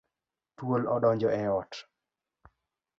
Thuol odonjo e ot.